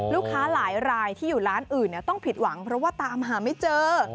ลูกค้าหลายรายที่อยู่ร้านอื่นต้องผิดหวังเพราะว่าตามหาไม่เจอ